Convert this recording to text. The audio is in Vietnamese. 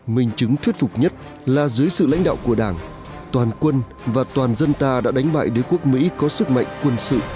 mình chứng thuyết phục nhất là dưới sự lãnh đạo của đảng toàn quân và toàn dân ta đã đánh bại đế quốc mỹ có sức mạnh quân sự